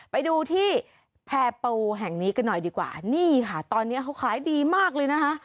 ไปดูที่แพรปูแห่งนี้กันหน่อยดีกว่านี่ค่ะตอนนี้เขาขายดีมากเลยนะคะ